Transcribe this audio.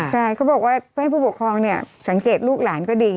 ใช่เขาบอกว่าให้ผู้ปกครองเนี่ยสังเกตลูกหลานก็ดี